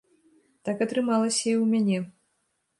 Так атрымалася і ў мяне.